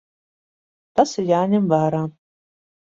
Tas ir jāņem vērā.